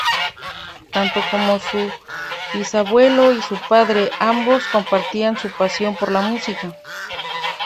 Tanto como su bisabuelo y su padre, ambos compartían su pasión por la música.